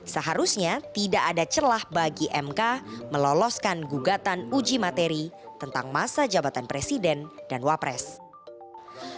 seharusnya tidak ada celah bagi mk meloloskan gugatan uji materi tentang masa jabatan presiden dan wakil presiden